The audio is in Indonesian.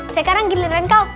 sekarang giliran kau